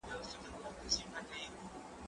زه اوس سبا ته پلان جوړوم!؟